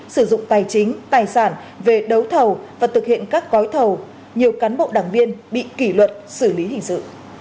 sử dụng tài chính tài sản về đấu thầu và thực hiện các gói thầu nhiều cán bộ đảng viên bị kỷ luật xử lý hình sự